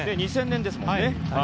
２０００年ですもんね。